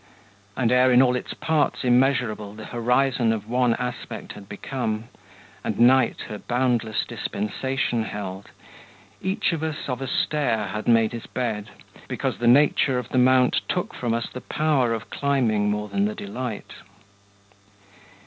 And ere in all its parts immeasurable The horizon of one aspect had become, And Night her boundless dispensation held, Each of us of a stair had made his bed; Because the nature of the mount took from us The power of climbing, more than the delight.